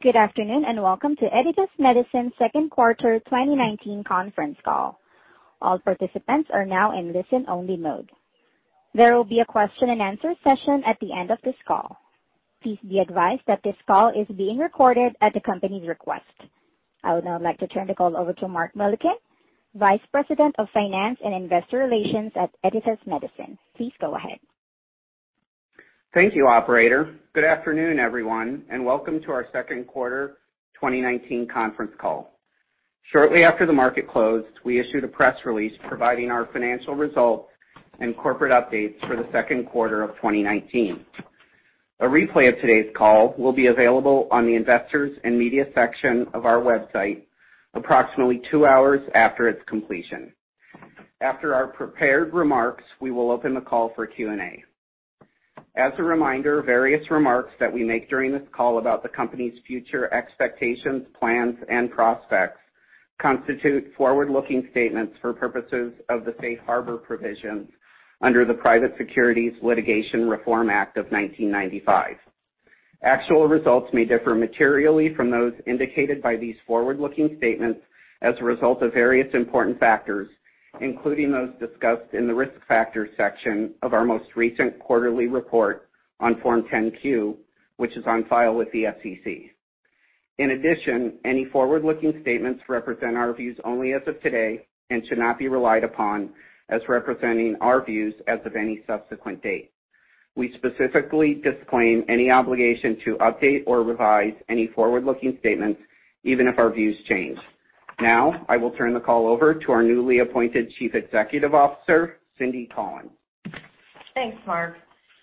Good afternoon, welcome to Editas Medicine's second quarter 2019 conference call. All participants are now in listen-only mode. There will be a question and answer session at the end of this call. Please be advised that this call is being recorded at the company's request. I would now like to turn the call over to Mark Mullikin, Vice President of Finance and Investor Relations at Editas Medicine. Please go ahead. Thank you, operator. Good afternoon, everyone, and welcome to our second quarter 2019 conference call. Shortly after the market closed, we issued a press release providing our financial results and corporate updates for the second quarter of 2019. A replay of today's call will be available on the Investors and Media section of our website approximately two hours after its completion. After our prepared remarks, we will open the call for Q&A. As a reminder, various remarks that we make during this call about the company's future expectations, plans, and prospects constitute forward-looking statements for purposes of the safe harbor provisions under the Private Securities Litigation Reform Act of 1995. Actual results may differ materially from those indicated by these forward-looking statements as a result of various important factors, including those discussed in the Risk Factors section of our most recent quarterly report on Form 10-Q, which is on file with the SEC. In addition, any forward-looking statements represent our views only as of today and should not be relied upon as representing our views as of any subsequent date. We specifically disclaim any obligation to update or revise any forward-looking statements, even if our views change. Now, I will turn the call over to our newly appointed Chief Executive Officer, Cindy Collins. Thanks, Mark.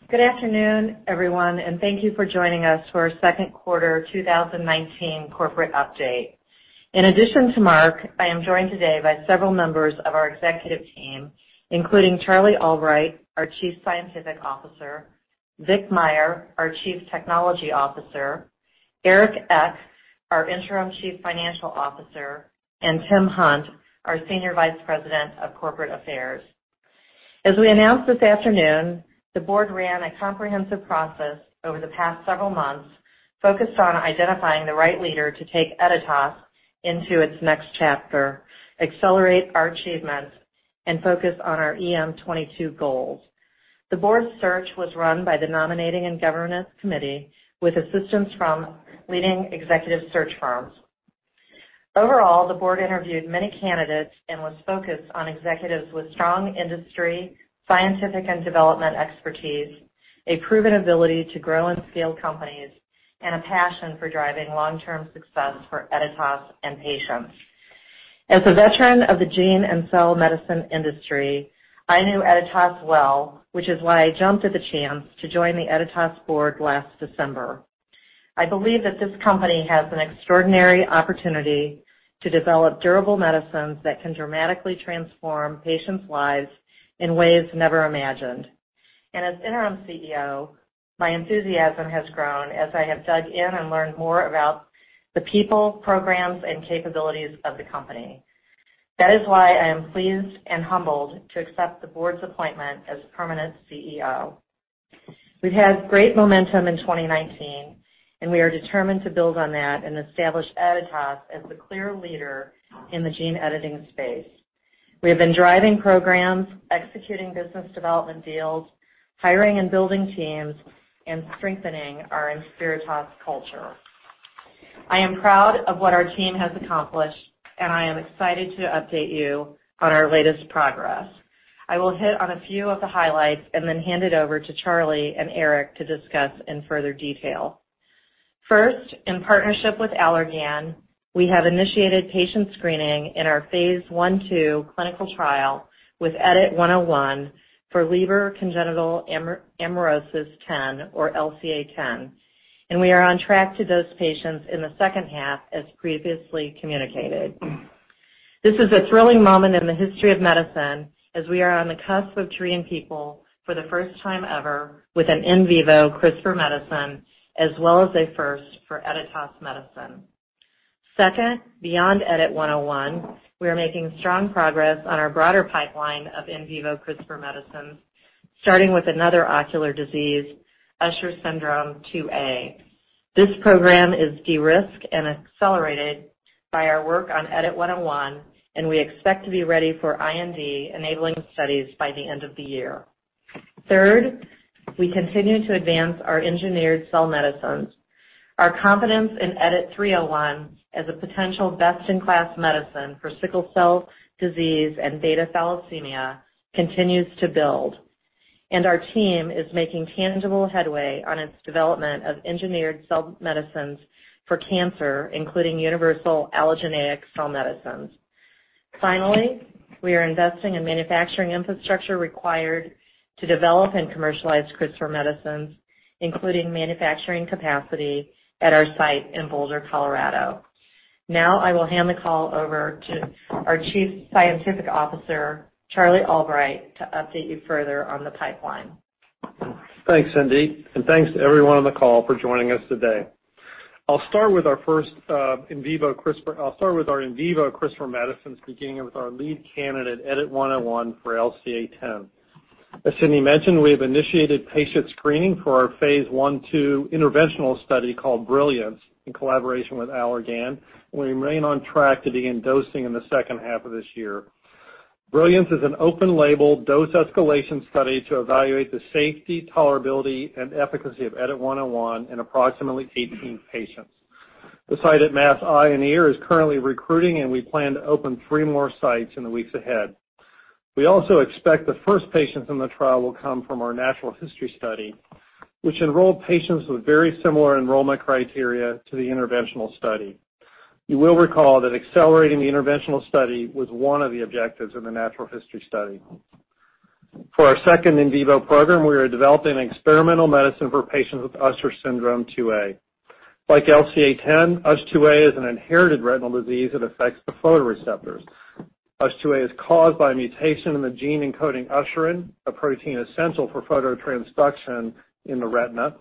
Good afternoon, everyone, and thank you for joining us for our second quarter 2019 corporate update. In addition to Mark, I am joined today by several members of our executive team, including Charles Albright, our Chief Scientific Officer, Vic Myer, our Chief Technology Officer, Eric Eck, our Interim Chief Financial Officer, and Tim Hunt, our Senior Vice President of Corporate Affairs. As we announced this afternoon, the board ran a comprehensive process over the past several months focused on identifying the right leader to take Editas Medicine into its next chapter, accelerate our achievements, and focus on our EM22 goals. The board's search was run by the Nominating and Governance Committee with assistance from leading executive search firms. Overall, the board interviewed many candidates and was focused on executives with strong industry, scientific, and development expertise, a proven ability to grow and scale companies, and a passion for driving long-term success for Editas and patients. As a veteran of the gene and cell medicine industry, I knew Editas well, which is why I jumped at the chance to join the Editas board last December. I believe that this company has an extraordinary opportunity to develop durable medicines that can dramatically transform patients' lives in ways never imagined. As interim CEO, my enthusiasm has grown as I have dug in and learned more about the people, programs, and capabilities of the company. That is why I am pleased and humbled to accept the board's appointment as permanent CEO. We've had great momentum in 2019, we are determined to build on that and establish Editas as the clear leader in the gene editing space. We have been driving programs, executing business development deals, hiring and building teams, and strengthening our Inspiritas culture. I am proud of what our team has accomplished, and I am excited to update you on our latest progress. I will hit on a few of the highlights and then hand it over to Charlie and Eric to discuss in further detail. First, in partnership with Allergan, we have initiated patient screening in our phase I/II clinical trial with EDIT-101 for Leber congenital amaurosis 10, or LCA10, and we are on track to dose patients in the second half, as previously communicated. This is a thrilling moment in the history of medicine, as we are on the cusp of treating people for the first time ever with an in vivo CRISPR medicine, as well as a first for Editas Medicine. Second, beyond EDIT-101, we are making strong progress on our broader pipeline of in vivo CRISPR medicines, starting with another ocular disease, Usher syndrome 2A. This program is de-risked and accelerated by our work on EDIT-101, and we expect to be ready for IND-enabling studies by the end of the year. Third, we continue to advance our engineered cell medicines. Our confidence in EDIT-301 as a potential best-in-class medicine for sickle cell disease and beta thalassemia continues to build, and our team is making tangible headway on its development of engineered cell medicines for cancer, including universal allogeneic cell medicines. We are investing in manufacturing infrastructure required to develop and commercialize CRISPR medicines, including manufacturing capacity at our site in Boulder, Colorado. I will hand the call over to our Chief Scientific Officer, Charlie Albright, to update you further on the pipeline. Thanks, Cindy, and thanks to everyone on the call for joining us today. I'll start with our in vivo CRISPR medicines, beginning with our lead candidate, EDIT-101 for LCA10. As Cindy mentioned, we have initiated patient screening for our phase I/II interventional study called BRILLIANCE in collaboration with Allergan, and we remain on track to begin dosing in the second half of this year. BRILLIANCE is an open-label dose escalation study to evaluate the safety, tolerability, and efficacy of EDIT-101 in approximately 18 patients. The site at Mass Eye and Ear is currently recruiting, and we plan to open three more sites in the weeks ahead. We also expect the first patients in the trial will come from our natural history study, which enrolled patients with very similar enrollment criteria to the interventional study. You will recall that accelerating the interventional study was one of the objectives in the natural history study. For our second in vivo program, we are developing an experimental medicine for patients with Usher syndrome type 2A. Like LCA10, USH2A is an inherited retinal disease that affects the photoreceptors. USH2A is caused by a mutation in the gene encoding usherin, a protein essential for phototransduction in the retina.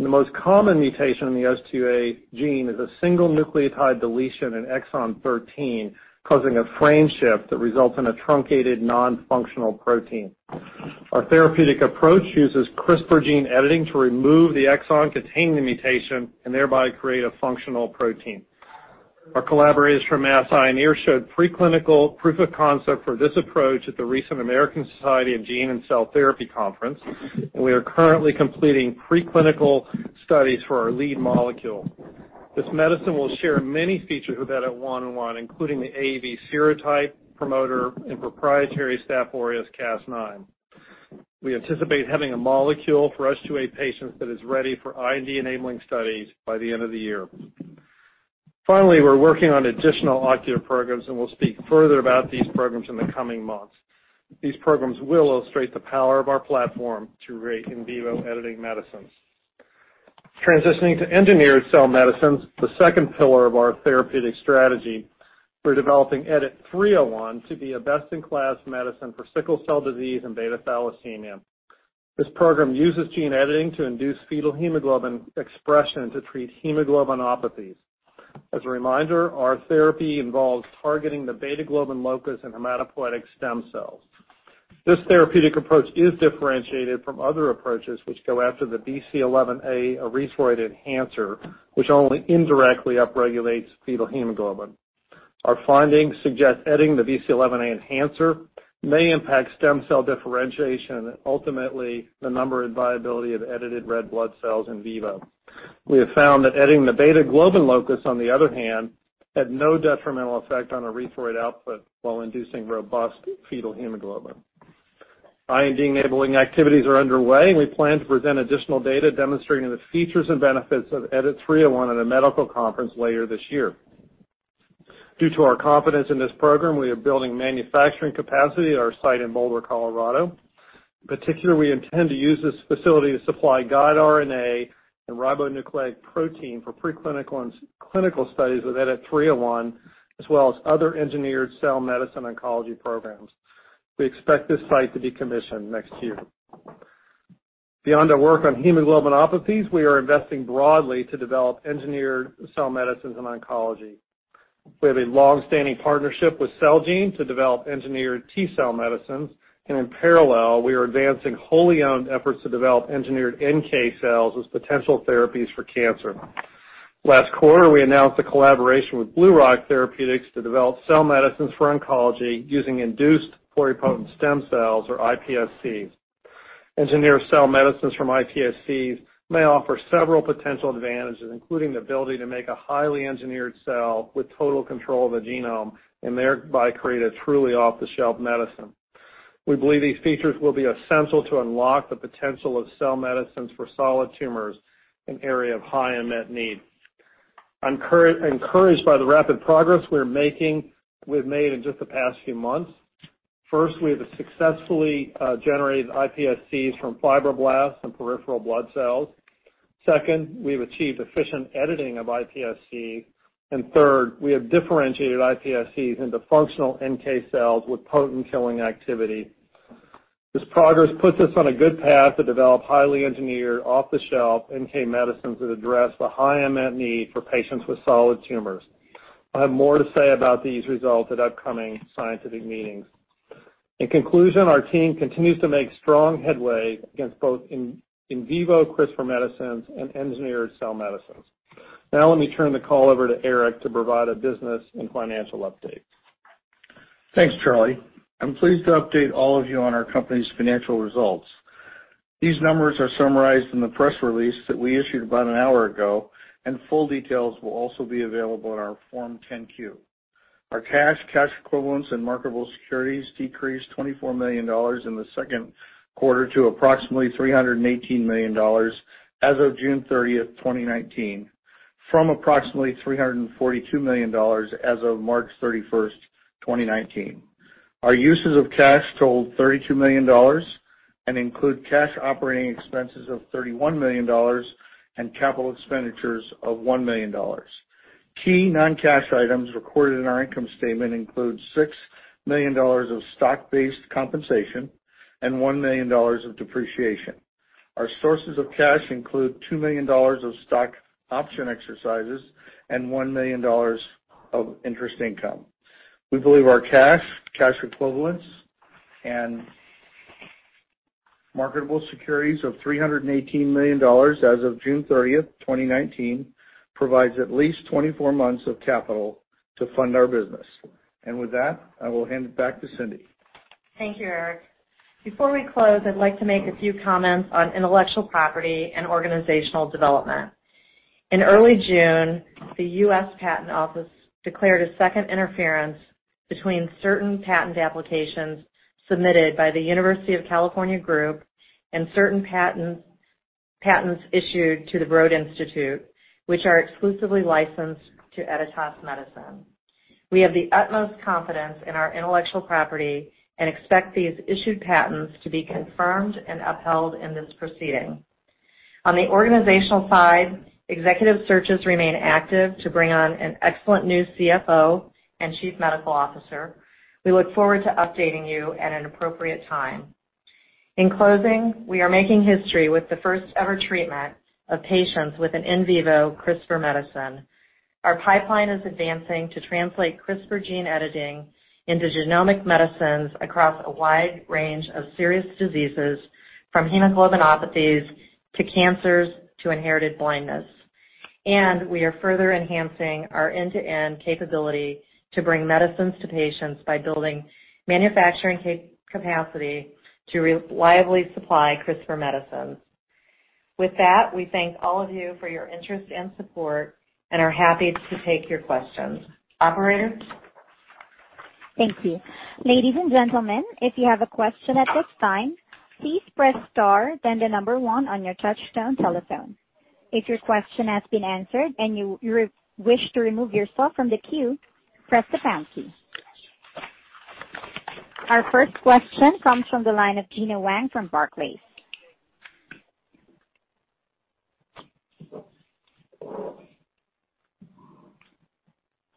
The most common mutation in the USH2A gene is a single nucleotide deletion in exon 13, causing a frameshift that results in a truncated non-functional protein. Our therapeutic approach uses CRISPR gene editing to remove the exon containing the mutation and thereby create a functional protein. Our collaborators from Mass Eye and Ear showed pre-clinical proof of concept for this approach at the recent American Society of Gene & Cell Therapy conference. We are currently completing pre-clinical studies for our lead molecule. This medicine will share many features with EDIT-101, including the AAV serotype promoter and proprietary Staphylococcus aureus Cas9. We anticipate having a molecule for USH2A patients that is ready for IND-enabling studies by the end of the year. Finally, we're working on additional ocular programs, and we'll speak further about these programs in the coming months. These programs will illustrate the power of our platform to create in vivo editing medicines. Transitioning to engineered cell medicines, the second pillar of our therapeutic strategy, we're developing EDIT-301 to be a best-in-class medicine for sickle cell disease and beta thalassemia. This program uses gene editing to induce fetal hemoglobin expression to treat hemoglobinopathies. As a reminder, our therapy involves targeting the beta globin locus in hematopoietic stem cells. This therapeutic approach is differentiated from other approaches which go after the BCL11A erythroid enhancer, which only indirectly upregulates fetal hemoglobin. Our findings suggest editing the BCL11A enhancer may impact stem cell differentiation and ultimately the number and viability of edited red blood cells in vivo. We have found that editing the beta globin locus, on the other hand, had no detrimental effect on erythroid output while inducing robust fetal hemoglobin. IND-enabling activities are underway, and we plan to present additional data demonstrating the features and benefits of EDIT-301 at a medical conference later this year. Due to our confidence in this program, we are building manufacturing capacity at our site in Boulder, Colorado. In particular, we intend to use this facility to supply guide RNA and ribonucleoprotein for pre-clinical and clinical studies of EDIT-301, as well as other engineered cell medicine oncology programs. We expect this site to be commissioned next year. Beyond our work on hemoglobinopathies, we are investing broadly to develop engineered cell medicines in oncology. We have a longstanding partnership with Celgene to develop engineered T-cell medicines, and in parallel, we are advancing wholly owned efforts to develop engineered NK cells as potential therapies for cancer. Last quarter, we announced a collaboration with BlueRock Therapeutics to develop cell medicines for oncology using induced pluripotent stem cells or iPSCs. Engineered cell medicines from iPSCs may offer several potential advantages, including the ability to make a highly engineered cell with total control of the genome and thereby create a truly off-the-shelf medicine. We believe these features will be essential to unlock the potential of cell medicines for solid tumors, an area of high unmet need. I'm encouraged by the rapid progress we've made in just the past few months. First, we have successfully generated iPSCs from fibroblasts and peripheral blood cells. Second, we have achieved efficient editing of iPSCs. Third, we have differentiated iPSCs into functional NK cells with potent killing activity. This progress puts us on a good path to develop highly engineered, off-the-shelf NK medicines that address the high unmet need for patients with solid tumors. I'll have more to say about these results at upcoming scientific meetings. In conclusion, our team continues to make strong headway against both in vivo CRISPR medicines and engineered cell medicines. Let me turn the call over to Eric to provide a business and financial update. Thanks, Charlie. I'm pleased to update all of you on our company's financial results. These numbers are summarized in the press release that we issued about an hour ago, and full details will also be available in our Form 10-Q. Our cash equivalents, and marketable securities decreased $24 million in the second quarter to approximately $318 million as of June 30th, 2019, from approximately $342 million as of March 31st, 2019. Our uses of cash totaled $32 million and include cash operating expenses of $31 million and capital expenditures of $1 million. Key non-cash items recorded in our income statement include $6 million of stock-based compensation and $1 million of depreciation. Our sources of cash include $2 million of stock option exercises and $1 million of interest income. We believe our cash equivalents, and marketable securities of $318 million as of June 30th, 2019, provides at least 24 months of capital to fund our business. With that, I will hand it back to Cindy. Thank you, Eric. Before we close, I'd like to make a few comments on intellectual property and organizational development. In early June, the U.S. Patent Office declared a second interference between certain patent applications submitted by the University of California group and certain patents issued to the Broad Institute, which are exclusively licensed to Editas Medicine. We have the utmost confidence in our intellectual property and expect these issued patents to be confirmed and upheld in this proceeding. On the organizational side, executive searches remain active to bring on an excellent new CFO and Chief Medical Officer. We look forward to updating you at an appropriate time. In closing, we are making history with the first-ever treatment of patients with an in vivo CRISPR medicine. Our pipeline is advancing to translate CRISPR gene editing into genomic medicines across a wide range of serious diseases, from hemoglobinopathies to cancers to inherited blindness. We are further enhancing our end-to-end capability to bring medicines to patients by building manufacturing capacity to reliably supply CRISPR medicines. With that, we thank all of you for your interest and support and are happy to take your questions. Operator? Thank you. Ladies and gentlemen, if you have a question at this time, please press star then the number 1 on your touchtone telephone. If your question has been answered and you wish to remove yourself from the queue, press the pound key. Our first question comes from the line of Gena Wang from Barclays.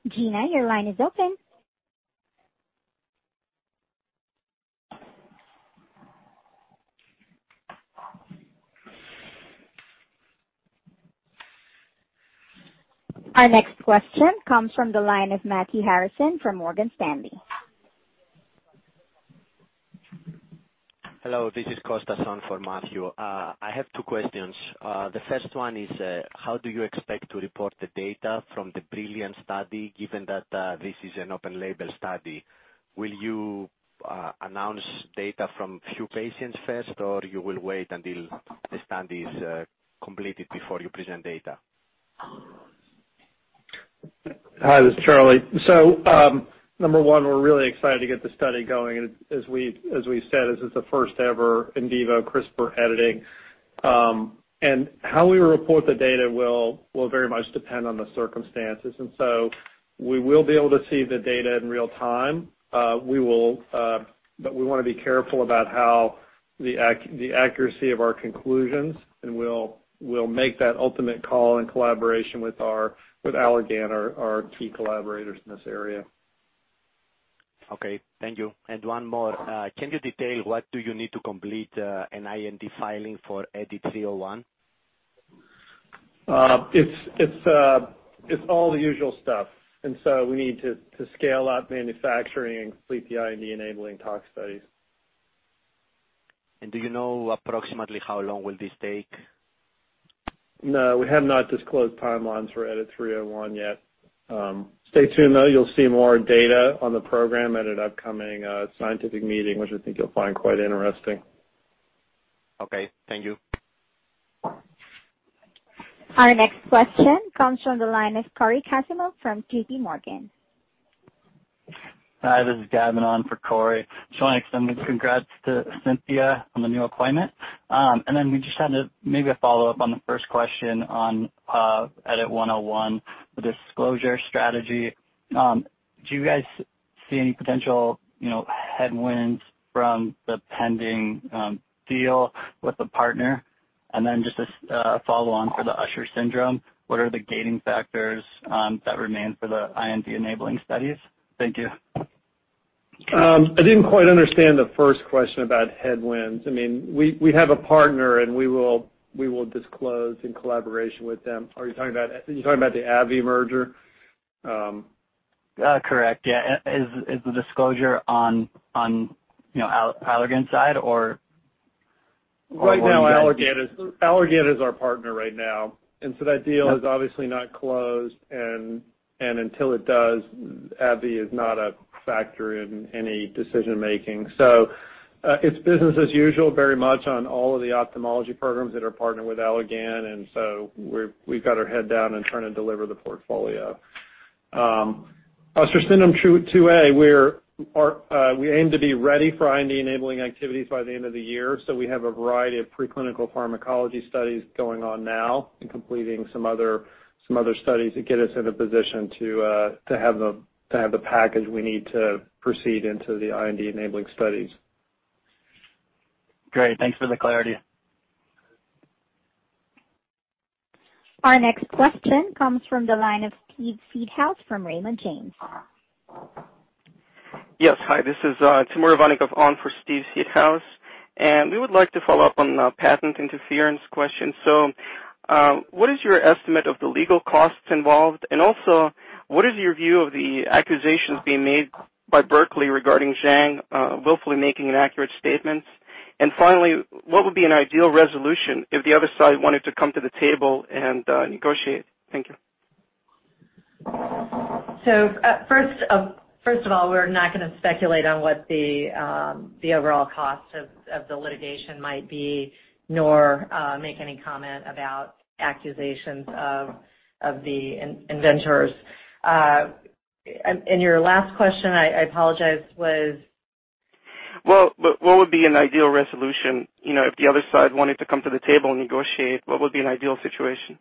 Gena, your line is open. Our next question comes from the line of Matthew Harrison from Morgan Stanley. Hello, this is Costa on for Matthew. I have two questions. The first one is, how do you expect to report the data from the BRILLIANCE study given that this is an open label study? Will you announce data from few patients first, or you will wait until the study is completed before you present data? Hi, this is Charlie. Number 1, we're really excited to get the study going. As we said, this is the first-ever in vivo CRISPR editing. How we report the data will very much depend on the circumstances. We will be able to see the data in real time. We want to be careful about how the accuracy of our conclusions, and we'll make that ultimate call in collaboration with Allergan, our key collaborators in this area. Okay. Thank you. One more. Can you detail what do you need to complete an IND filing for EDIT-301? It's all the usual stuff. We need to scale up manufacturing and complete the IND-enabling tox studies. Do you know approximately how long will this take? No, we have not disclosed timelines for EDIT-301 yet. Stay tuned, though. You'll see more data on the program at an upcoming scientific meeting, which I think you'll find quite interesting. Okay. Thank you. Our next question comes from the line of Cory Kasimov from JPMorgan. Hi, this is Gavin on for Cory. Just want to extend congrats to Cynthia on the new appointment. We just had maybe a follow-up on the first question on EDIT-101, the disclosure strategy. Do you guys see any potential headwinds from the pending deal with the partner? Just a follow-on for the Usher syndrome, what are the gating factors that remain for the IND-enabling studies? Thank you. I didn't quite understand the first question about headwinds. We have a partner, we will disclose in collaboration with them. Are you talking about the AbbVie merger? Correct, yeah. Is the disclosure on Allergan's side? Right now, Allergan is our partner right now, and so that deal is obviously not closed, and until it does, AbbVie is not a factor in any decision-making. It's business as usual very much on all of the ophthalmology programs that are partnered with Allergan, and so we've got our head down and trying to deliver the portfolio. Usher syndrome type 2A, we aim to be ready for IND-enabling activities by the end of the year, so we have a variety of preclinical pharmacology studies going on now and completing some other studies to get us in a position to have the package we need to proceed into the IND-enabling studies. Great. Thanks for the clarity. Our next question comes from the line of Steve Seedhouse from Raymond James. Yes. Hi, this is Timur Vanikov on for Steve Seedhouse, we would like to follow up on patent interference question. What is your estimate of the legal costs involved? What is your view of the accusations being made by Berkeley regarding Zhang willfully making inaccurate statements? Finally, what would be an ideal resolution if the other side wanted to come to the table and negotiate? Thank you. First of all, we're not going to speculate on what the overall cost of the litigation might be, nor make any comment about accusations of the inventors. Your last question, I apologize, was? Well, what would be an ideal resolution, if the other side wanted to come to the table and negotiate, what would be an ideal situation?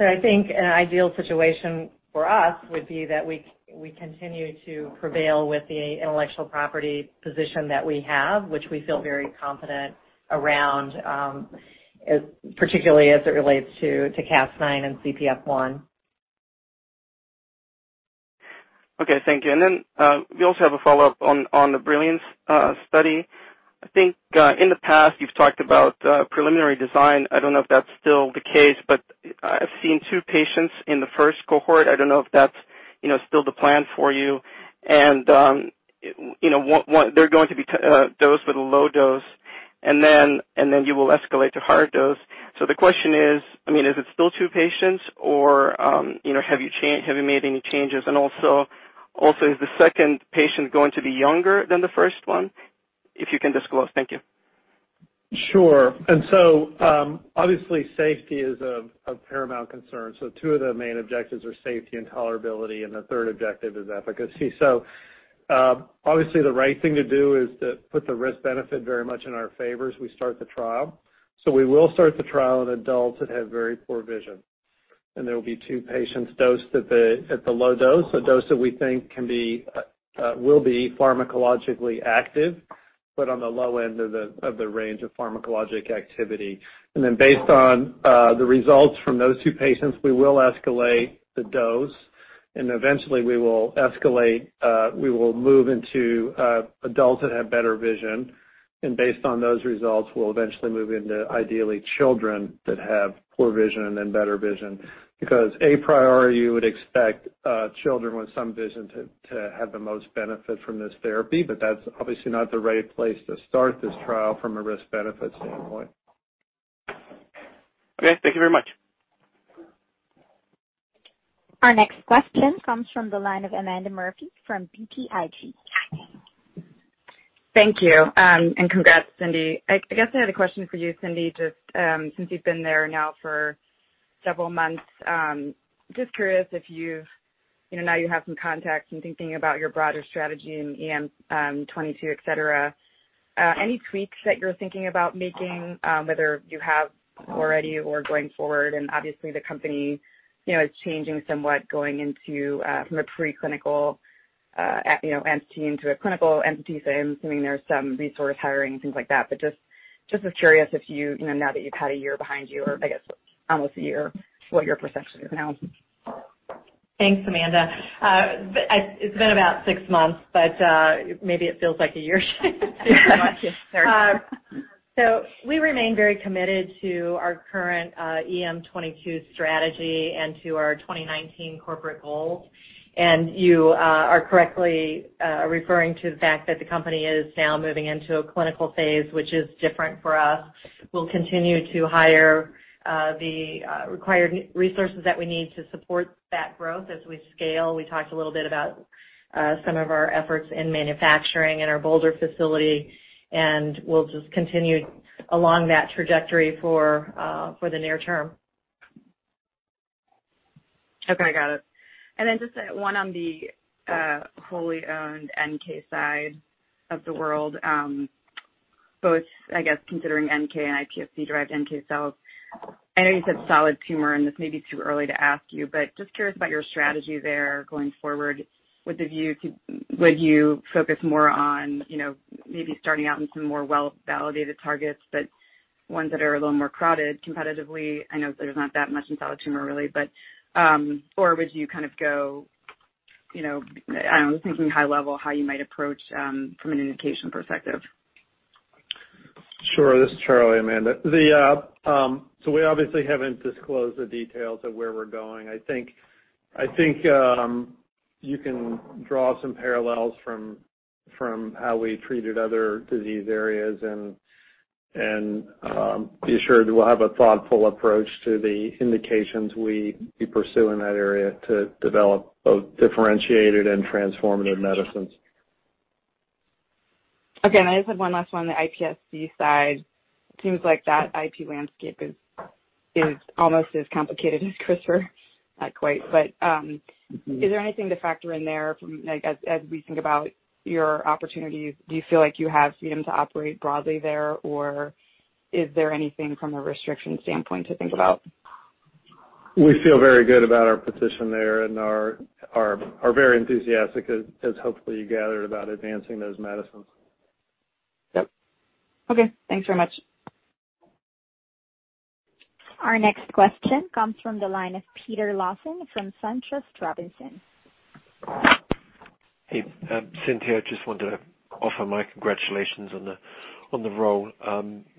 I think an ideal situation for us would be that we continue to prevail with the intellectual property position that we have, which we feel very confident around, particularly as it relates to Cas9 and Cpf1. Okay, thank you. We also have a follow-up on the BRILLIANCE study. I think, in the past you've talked about preliminary design. I don't know if that's still the case, but I've seen two patients in the first cohort. I don't know if that's still the plan for you. They're going to be dosed with a low dose and then you will escalate to higher dose. The question is it still two patients or have you made any changes? Is the second patient going to be younger than the first one? If you can disclose. Thank you. Sure. Obviously safety is of paramount concern. Two of the main objectives are safety and tolerability, and the third objective is efficacy. Obviously the right thing to do is to put the risk-benefit very much in our favor as we start the trial. We will start the trial in adults that have very poor vision, and there will be two patients dosed at the low dose, a dose that we think will be pharmacologically active, but on the low end of the range of pharmacologic activity. Based on the results from those two patients, we will escalate the dose, and eventually we will escalate, we will move into adults that have better vision. Based on those results, we'll eventually move into, ideally, children that have poor vision and better vision. A priori, you would expect children with some vision to have the most benefit from this therapy. That's obviously not the right place to start this trial from a risk-benefit standpoint. Okay. Thank you very much. Our next question comes from the line of Amanda Murphy from BTIG. Thank you. Congrats, Cindy. I guess I had a question for you, Cindy, just since you've been there now for several months. Just curious if you now have some context in thinking about your broader strategy in EM22, et cetera. Any tweaks that you're thinking about making, whether you have already or going forward? Obviously the company is changing somewhat going into from a pre-clinical entity into a clinical entity, so I'm assuming there's some resource hiring and things like that. Just was curious if you, now that you've had one year behind you, or I guess almost one year, what your perception is now. Thanks, Amanda. It's been about six months, but maybe it feels like a year. Yes, sure. We remain very committed to our current EM22 strategy and to our 2019 corporate goals. You are correctly referring to the fact that the company is now moving into a clinical phase, which is different for us. We'll continue to hire the required resources that we need to support that growth as we scale. We talked a little bit about some of our efforts in manufacturing in our Boulder facility, and we'll just continue along that trajectory for the near term. Okay, got it. Just one on the wholly owned NK side of the world, both, I guess, considering NK and iPSC-derived NK cells. I know you said solid tumor, this may be too early to ask you, just curious about your strategy there going forward. Would you focus more on maybe starting out in some more well-validated targets, ones that are a little more crowded competitively? I know there's not that much in solid tumor, really, or would you kind of go, I'm thinking high level, how you might approach from an indication perspective? Sure. This is Charlie, Amanda. We obviously haven't disclosed the details of where we're going. I think you can draw some parallels from how we treated other disease areas and be assured that we'll have a thoughtful approach to the indications we pursue in that area to develop both differentiated and transformative medicines. Okay. I just had one last one on the iPSC side. Seems like that IP landscape is almost as complicated as CRISPR. Not quite, but is there anything to factor in there from, as we think about your opportunities, do you feel like you have freedom to operate broadly there, or is there anything from a restriction standpoint to think about? We feel very good about our position there and are very enthusiastic as hopefully you gathered about advancing those medicines. Yep. Okay. Thanks very much. Our next question comes from the line of Peter Lawson from SunTrust Robinson. Hey, Cynthia, I just wanted to offer my congratulations on the role.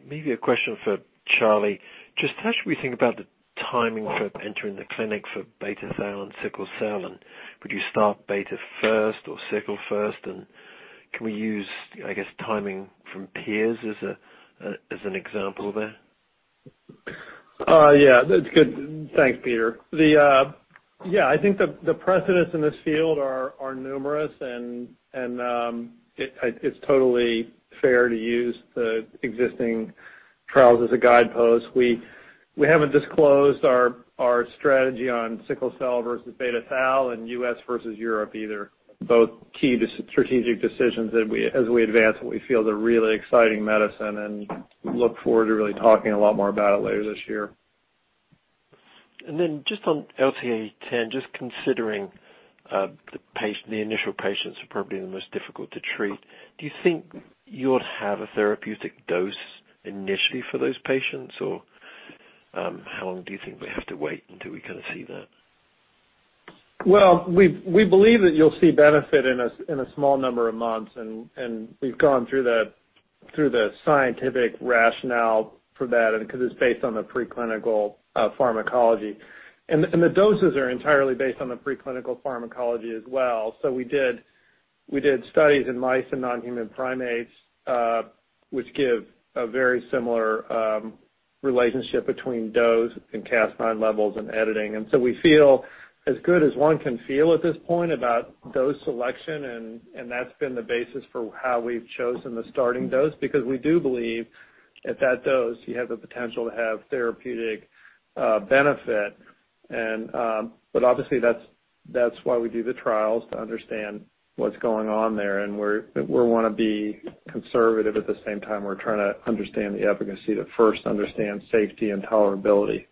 Maybe a question for Charlie. Just how should we think about the timing for entering the clinic for beta thal and sickle cell? Would you start beta first or sickle first, and can we use, I guess, timing from peers as an example there? That's good. Thanks, Peter. I think the precedents in this field are numerous and it's totally fair to use the existing trials as a guidepost. We haven't disclosed our strategy on sickle cell versus beta thal and U.S. versus Europe either, both key strategic decisions that as we advance what we feel are really exciting medicine and look forward to really talking a lot more about it later this year. Just on LCA10, just considering the initial patients are probably the most difficult to treat, do you think you'll have a therapeutic dose initially for those patients, or how long do you think we have to wait until we kind of see that? We believe that you'll see benefit in a small number of months, and we've gone through the scientific rationale for that, and because it's based on the preclinical pharmacology. The doses are entirely based on the preclinical pharmacology as well. We did studies in mice and non-human primates, which give a very similar relationship between dose and Cas9 levels and editing. We feel as good as one can feel at this point about dose selection, and that's been the basis for how we've chosen the starting dose because we do believe at that dose you have the potential to have therapeutic benefit. Obviously that's why we do the trials to understand what's going on there, and we want to be conservative at the same time we're trying to understand the efficacy to first understand safety and tolerability.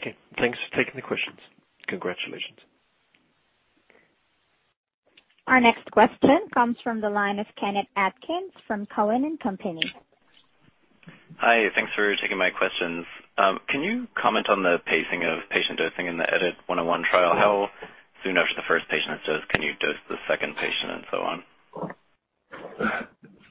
Great. Okay. Thanks for taking the questions. Congratulations. Our next question comes from the line of Kenneth Atkins from Cowen and Company. Hi. Thanks for taking my questions. Can you comment on the pacing of patient dosing in the EDIT-101 trial? How soon after the first patient is dosed can you dose the second patient and so on?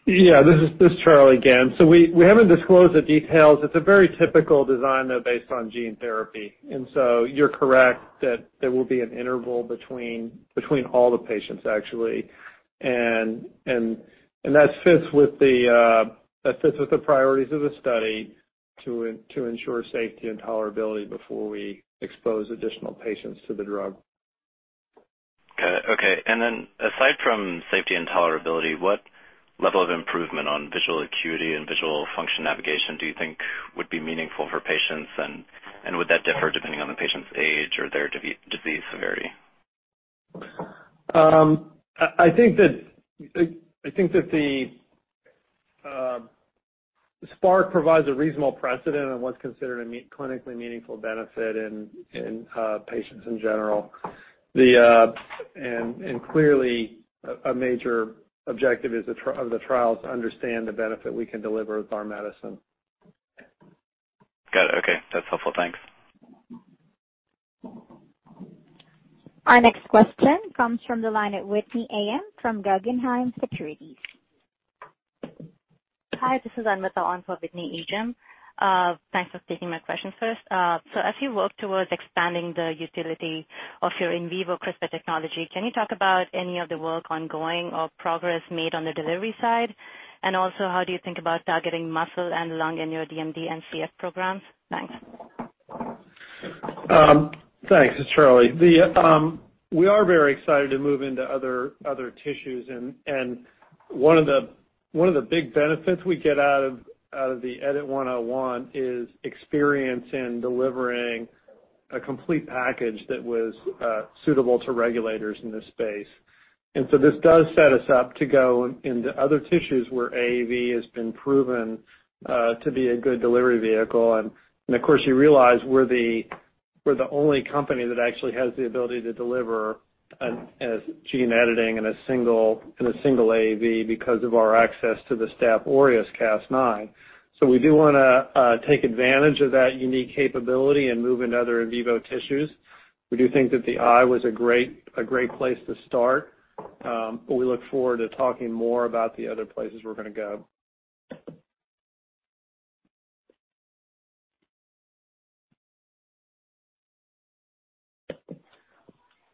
Yeah, this is Charlie again. We haven't disclosed the details. It's a very typical design, though, based on gene therapy. You're correct that there will be an interval between all the patients actually. That fits with the priorities of the study to ensure safety and tolerability before we expose additional patients to the drug. Got it. Okay. Aside from safety and tolerability, what level of improvement on visual acuity and visual function navigation do you think would be meaningful for patients, and would that differ depending on the patient's age or their disease severity? I think that Spark provides a reasonable precedent on what's considered a clinically meaningful benefit in patients in general. Clearly a major objective of the trial is to understand the benefit we can deliver with our medicine. Got it. Okay, that's helpful. Thanks. Our next question comes from the line of Whitney Aitken from Guggenheim Securities. Hi, this is Anmita on for Whitney Aitken. Thanks for taking my question first. As you work towards expanding the utility of your in vivo CRISPR technology, can you talk about any of the work ongoing or progress made on the delivery side? Also how do you think about targeting muscle and lung in your DMD and CF programs? Thanks. Thanks. It's Charlie. We are very excited to move into other tissues. One of the big benefits we get out of the EDIT-101 is experience in delivering a complete package that was suitable to regulators in this space. This does set us up to go into other tissues where AAV has been proven to be a good delivery vehicle. Of course, you realize we're the only company that actually has the ability to deliver gene editing in a single AAV because of our access to the Staphylococcus aureus Cas9. We do want to take advantage of that unique capability and move into other in vivo tissues. We do think that the eye was a great place to start. We look forward to talking more about the other places we're going to go.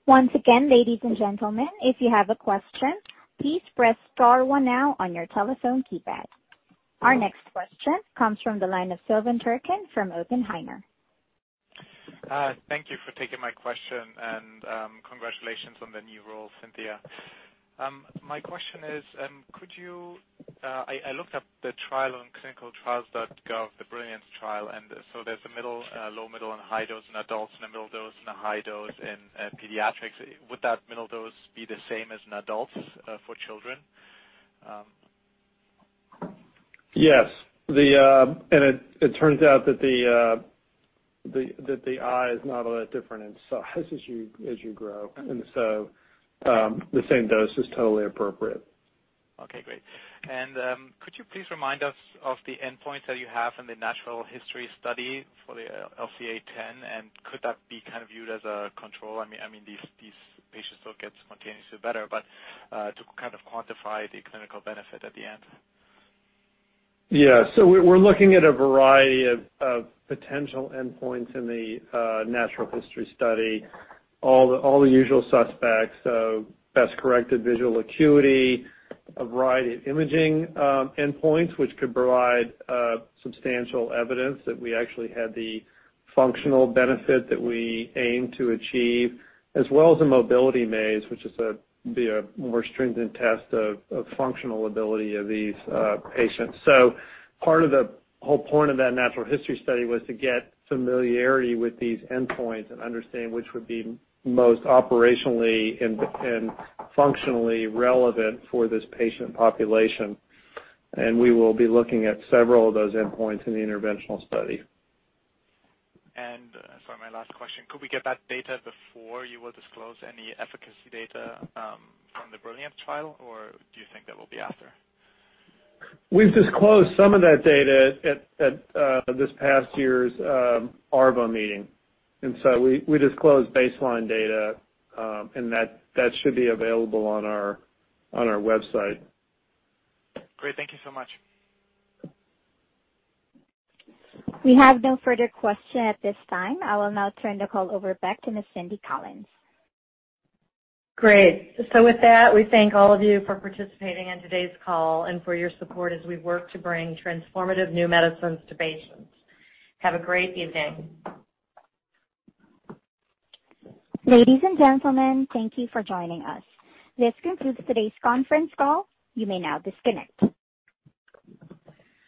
Once again, ladies and gentlemen, if you have a question, please press star one now on your telephone keypad. Our next question comes from the line of Silvan Tuerkcan from Oppenheimer. Thank you for taking my question, congratulations on the new role, Cynthia. My question is, I looked up the trial on clinicaltrials.gov, the BRILLIANCE trial, there's a middle, low, middle, and high dose in adults and a middle dose and a high dose in pediatrics. Would that middle dose be the same as in adults for children? Yes. It turns out that the eye is not a lot different in size as you grow. The same dose is totally appropriate. Okay, great. Could you please remind us of the endpoints that you have in the natural history study for the LCA10, and could that be viewed as a control? These patients still get spontaneously better, but to quantify the clinical benefit at the end. Yeah. We're looking at a variety of potential endpoints in the natural history study. All the usual suspects, so best-corrected visual acuity, a variety of imaging endpoints, which could provide substantial evidence that we actually had the functional benefit that we aim to achieve, as well as a mobility maze, which would be a more stringent test of functional ability of these patients. Part of the whole point of that natural history study was to get familiarity with these endpoints and understand which would be most operationally and functionally relevant for this patient population. We will be looking at several of those endpoints in the interventional study. Sorry, my last question. Could we get that data before you will disclose any efficacy data from the BRILLIANCE trial, or do you think that will be after? We've disclosed some of that data at this past year's ARVO meeting. We disclosed baseline data, and that should be available on our website. Great. Thank you so much. We have no further question at this time. I will now turn the call over back to Ms. Cynthia Collins. Great. With that, we thank all of you for participating in today's call and for your support as we work to bring transformative new medicines to patients. Have a great evening. Ladies and gentlemen, thank you for joining us. This concludes today's conference call. You may now disconnect.